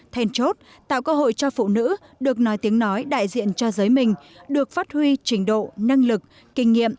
thèn chốt tạo cơ hội cho phụ nữ được nói tiếng nói đại diện cho giới mình được phát huy trình độ năng lực kinh nghiệm